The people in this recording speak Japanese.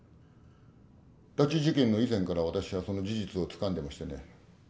拉致事件の以前から私はその事実をつかんでましてね。